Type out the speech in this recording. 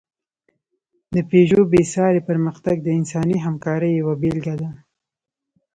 د پيژو بېساری پرمختګ د انساني همکارۍ یوه بېلګه ده.